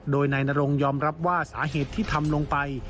โดยนายนรงยอมรับว่าสาเหตุที่ทำลงไป